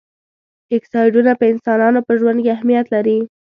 اکسایډونه په انسانانو په ژوند کې اهمیت لري.